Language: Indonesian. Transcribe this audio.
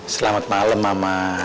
selamat malam mama